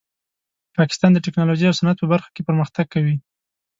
پاکستان د ټیکنالوژۍ او صنعت په برخه کې پرمختګ کوي.